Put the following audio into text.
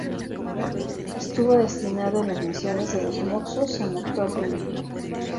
Estuvo destinado en las misiones de los Moxos, en la actual Bolivia.